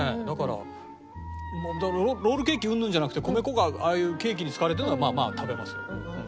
だからロールケーキうんぬんじゃなくて米粉がああいうケーキに使われてるのはまあ食べますよ。